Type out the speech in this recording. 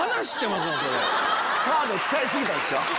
カード使い過ぎたんすか？